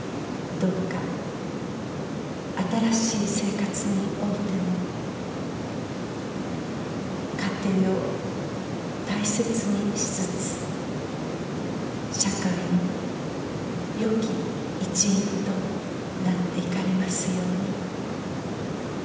どうか新しい生活においても、家庭を大切にしつつ、社会のよき一員となっていかれますように。